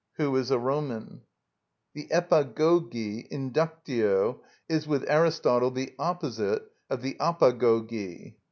—"Who is a Roman?" The επαγωγη, inductio, is with Aristotle the opposite of the απαγωγη.